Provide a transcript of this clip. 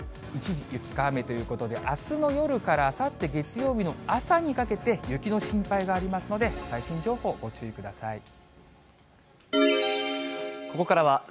一時雪か雨ということで、あすの夜からあさって月曜日の朝にかけて、雪の心配がありますので、最新情報、ご注意ください。